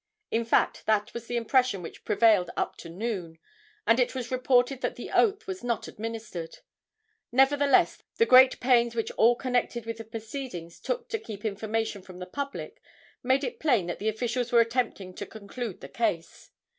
In fact, that was the impression which prevailed up to noon, and it was reported that the oath was not administered. Nevertheless, the great pains which all connected with the proceedings took to keep information from the public made it plain that the officials were attempting to conclude the case.